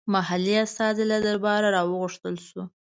محلي استازی له درباره راوغوښتل شو.